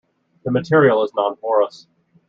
The material is non-porous.